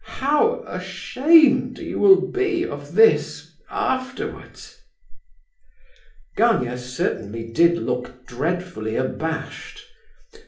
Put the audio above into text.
how ashamed you will be of this afterwards!" Gania certainly did look dreadfully abashed.